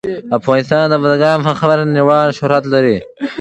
افغانستان د بزګان په برخه کې نړیوال شهرت لري.